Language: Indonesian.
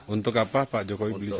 untuk apa pak jokowi beli sapi